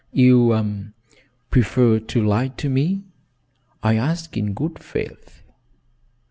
"You prefer to lie to me? I ask in good faith."